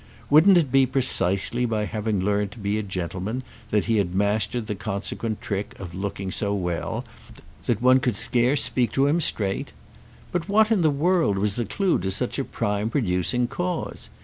Wouldn't it be precisely by having learned to be a gentleman that he had mastered the consequent trick of looking so well that one could scarce speak to him straight? But what in the world was the clue to such a prime producing cause?